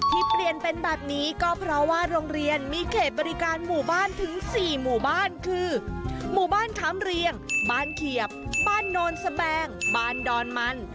ที่เปลี่ยนเป็นแบบนี้ก็เพราะว่าโรงเรียนมีเขตบริการหมู่บ้านถึง๔หมู่บ้านคือหมู่บ้านคำเรียงบ้านเขียบบ้านโนนสแบงบ้านดอนมัน